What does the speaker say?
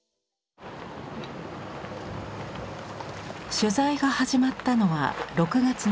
取材が始まったのは６月の初め。